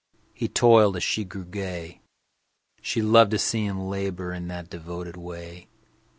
He toiled as she grew gay. She loved to see him labor In that devoted way.